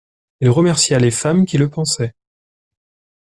Il remercia les femmes qui le pansaient.